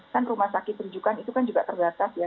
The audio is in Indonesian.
kan rumah sakit rujukan itu kan juga terbatas ya